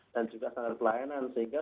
dan juga standar pelayanan sehingga